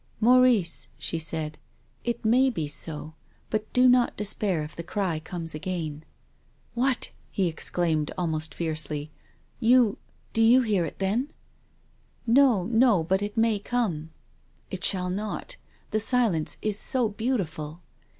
" Maurice," she said, " it may base, but do not despair if the cry comes again." " What !" he exclaimed almost fiercely, " you ■— do you hear it then ?"" No, no, but it may come." " It shall not. The silence is so beautiful."